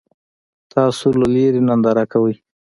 تاسو له لرې ننداره کوئ.